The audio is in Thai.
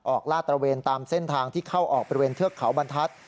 ลาดตระเวนตามเส้นทางที่เข้าออกบริเวณเทือกเขาบรรทัศน์